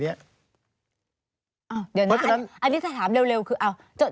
เดี๋ยวนะอันนี้ถ้าถามเร็วคือเอาจด